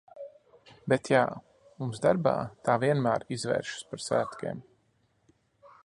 Bet jā, mums darbā tā vienmēr izvēršas par svētkiem.